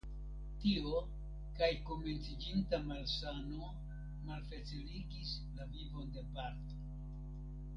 Tio kaj komenciĝinta malsano malfaciligis la vivon de Barth.